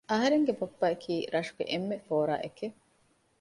އަހަރެންގެ ބައްޕައަކީ ރަށުގެ އެންމެ ފޯރާއެކެއް